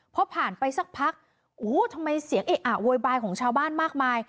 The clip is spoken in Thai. พอผ่านไปสักพักโอ้โหทำไมเสียงเอะอะโวยวายของชาวบ้านมากมาย